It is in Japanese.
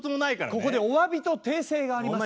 ここでおわびと訂正があります。